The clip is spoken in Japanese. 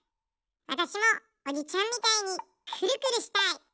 わたしもおじちゃんみたいにくるくるしたい！